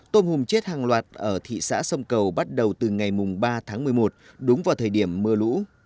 tôm hùm chết hàng loạt ở thị xã sông cầu bắt đầu từ ngày ba tháng một mươi một đúng vào thời điểm mưa lũ